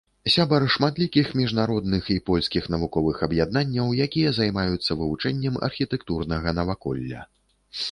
Сябар шматлікіх міжнародных і польскіх навуковых аб'яднанняў, якія займаюцца вывучэннем архітэктурнага наваколля.